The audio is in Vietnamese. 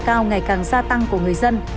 cao ngày càng gia tăng của người dân